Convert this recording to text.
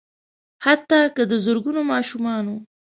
حتا که د زرګونو ماشومانو